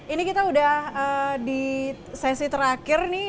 ini kita udah di sesi terakhir nih